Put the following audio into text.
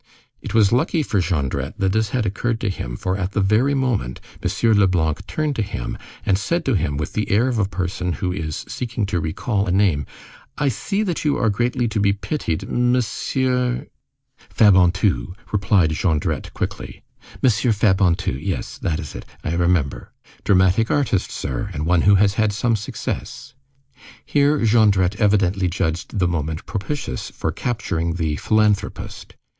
It was lucky for Jondrette, that this had occurred to him, for at the very moment, M. Leblanc turned to him, and said to him with the air of a person who is seeking to recall a name:— "I see that you are greatly to be pitied, Monsieur—" "Fabantou," replied Jondrette quickly. "Monsieur Fabantou, yes, that is it. I remember." "Dramatic artist, sir, and one who has had some success." Here Jondrette evidently judged the moment propitious for capturing the "philanthropist."